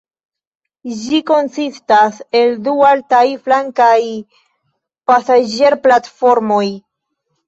Ĝi konsistas el du altaj flankaj pasaĝerplatformoj.